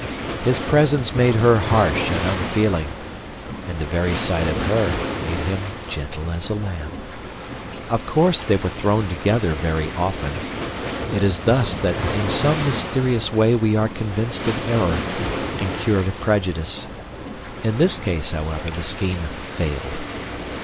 His presence made her harsh and unfeeling, and the very sight of her made him gentle as a lamb. Of course they were thrown together very often. It is thus that in some mysterious way we are convinced of error and cured of prejudice. In this case, however, the scheme failed.